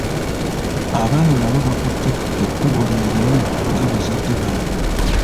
Abaana nabo bakutte ekkubo lye limu nga bazadde baabwe.